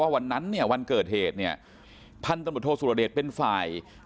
วันนั้นวันเกิดเหตุพันธบทโทษศุรเดชเป็นฝ่าย